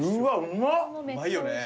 うまいよね。